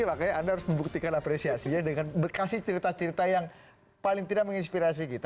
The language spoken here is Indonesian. makanya anda harus membuktikan apresiasinya dengan berkasi cerita cerita yang paling tidak menginspirasi kita